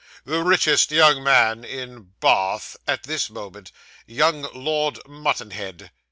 The richest young man in Ba ath at this moment. Young Lord Mutanhed.